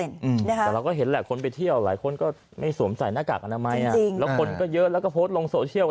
แต่เราก็เห็นแหละคนไปเที่ยวหลายคนก็ไม่สวมใส่หน้ากากอนามัยจริงแล้วคนก็เยอะแล้วก็โพสต์ลงโซเชียล